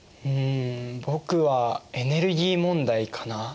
僕はエネルギー問題かな。